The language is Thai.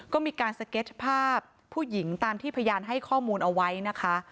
ก็มีการสเก็ตภาพผู้หญิงตามที่พยานให้ข้อมูลเอาไว้นะคะ